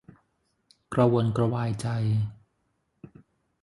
กระวนกระวายใจ